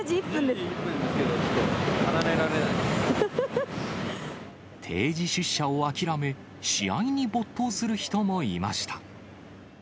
１０時１分ですけど、ちょっ定時出社を諦め、試合に没頭する人もいました。